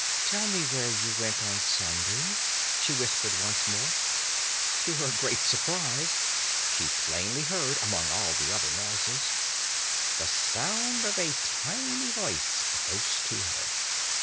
"Tell me where you went on Sunday," she whispered once more. To her great surprise, she plainly heard, among all the other noises, the sound of a tiny voice close to her.